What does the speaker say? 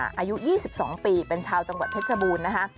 อายุ๒๒ปีเป็นชาวจังหวัดเพชรบูรณ์นะคะ